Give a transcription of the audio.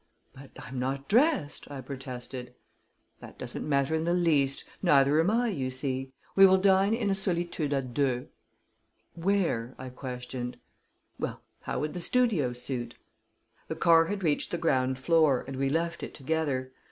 "But I'm not dressed," I protested. "That doesn't matter in the least neither am I, you see. We will dine in a solitude à deux." "Where?" I questioned. "Well, how would the Studio suit?" The car had reached the ground floor, and we left it together.